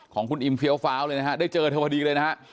ของคุณอิมเฟี้ยวฟ้าวเลยนะฮะได้เจอเธอพอดีเลยนะฮะ